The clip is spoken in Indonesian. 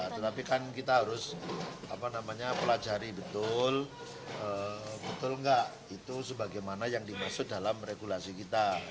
tetapi kan kita harus pelajari betul betul nggak itu sebagaimana yang dimaksud dalam regulasi kita